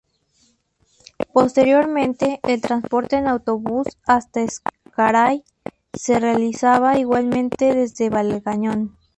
Posteriormente, el transporte en autobús hasta Ezcaray se realizaba igualmente desde Valgañón.